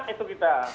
kalau enak itu kita